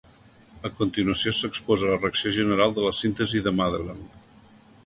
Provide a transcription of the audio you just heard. A continuació s'exposa la reacció general de la síntesi de Madelung.